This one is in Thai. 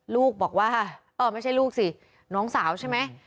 ลูกบอกว่าเออไม่ใช่ลูกสิน้องสาวใช่ไหม